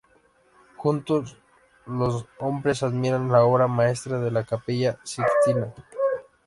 Juntos, los hombres admiran la obra maestra de la Capilla Sixtina.